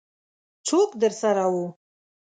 څوک درسره وو؟